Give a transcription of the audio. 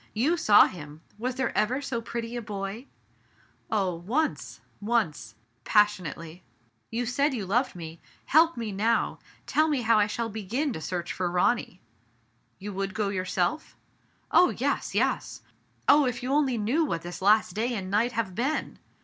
You saw him ! Was there ever so pretty a boy ? Oh ! once — once— pas pionately —" you said you loved nie ! Help me now ! Tell me how I shall begin to search for Ronny.'* "You would go yourself?" "Oh, yes, yes ! Oh, if you only knew what this last day and night have been